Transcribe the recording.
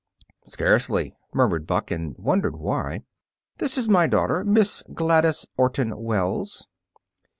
"Scarcely," murmured Buck, and wondered why. "This is my daughter, Miss Gladys Orton Wells."